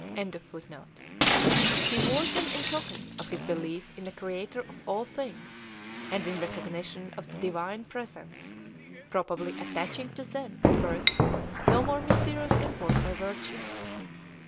] he wore them in token of his belief in a creator of all things, and in recognition of the Divine Presence, probably attaching to them at first no more mysterious import or virtue.